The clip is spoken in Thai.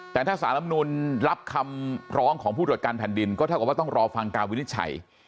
แต่ถ้าสารลำนูลรับคำร้องของผู้ตรวจการแผ่นดินก็เท่ากับว่าต้องรอฟังการวินิจฉัย